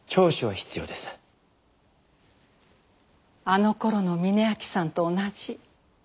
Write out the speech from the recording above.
あの頃の峯秋さんと同じ。